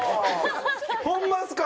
ホンマっすか！